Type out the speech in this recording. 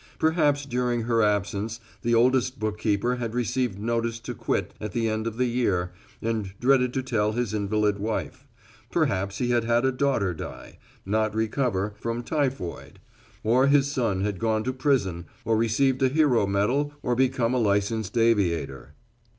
Perhaps during her absence the oldest bookkeeper had received notice to quit at the end of the year and dreaded to tell his invalid wife; perhaps he had had a daughter die, not recover, from typhoid; or his son had gone to prison or received a hero medal or become a licensed aviator.